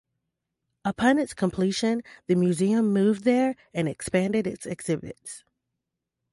Upon its completion, the Museum moved there and expanded its exhibits.